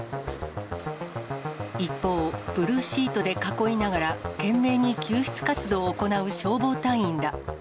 一方、ブルーシートで囲いながら、懸命に救出活動を行う消防隊員ら。